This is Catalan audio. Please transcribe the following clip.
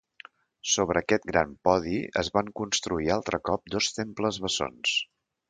Sobre aquest gran podi, es van construir altre cop dos temples bessons.